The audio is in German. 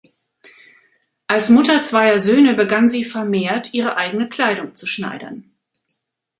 Als Mutter zweier Söhne begann sie vermehrt, ihre eigene Kleidung zu schneidern.